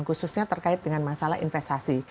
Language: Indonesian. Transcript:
khususnya terkait dengan masalah investasi